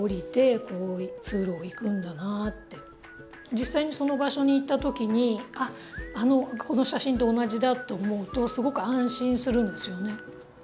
実際にその場所に行った時に「あっこの写真と同じだ」って思うとすごく安心するんですよね。